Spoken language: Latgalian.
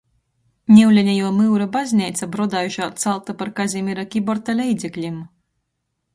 Niulenejuo myura bazneica Brodaižā calta par Kazimira Kiborta leidzeklim.